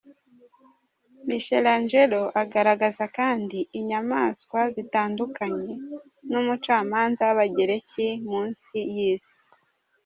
Michelangelo agaragaza kandi inyamaswa zitandukanye n’umucamanza w’Abagereki mu nsi y’Isi.